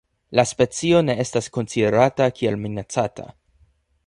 La specio ne estas konsiderata kiel minacata.